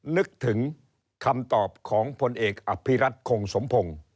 นึกถึงคำตอบของพลเอกอภิรัตคงสมพงศ์